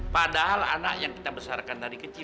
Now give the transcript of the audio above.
padahal anak yang kita besarkan dari kecil